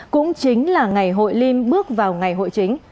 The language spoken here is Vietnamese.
cũng chính là ngày hội lim bước vào ngày hội chính